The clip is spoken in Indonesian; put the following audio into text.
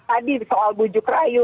tadi soal bujuk rayu